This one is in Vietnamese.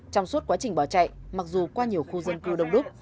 trong suốt quá trình bỏ chạy mặc dù qua nhiều khu dân cư đông đúc